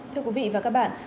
thưa quý vị và các bạn